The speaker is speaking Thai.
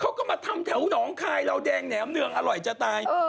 เขาก็มาทำแถวหนองคายเราแดงแหนมเนืองอร่อยจะตาย